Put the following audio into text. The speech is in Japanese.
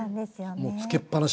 もうつけっ放し。